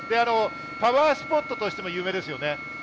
パワースポットとしても有名ですね。